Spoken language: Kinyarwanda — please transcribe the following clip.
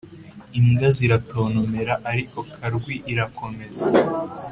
imbwa ziratontomera, ariko karwi irakomeza.